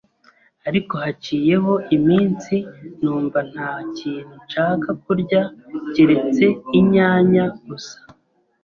Ariko haciyeho iminsi numva nta kintu nshaka kurya, keretse inyanya gusa.